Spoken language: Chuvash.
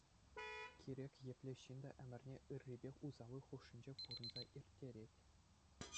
Кирек епле ҫын та ӗмӗрне ыррипе усалли хушшинче пурӑнса ирттерет.